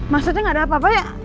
maksudnya gak ada apa apa ya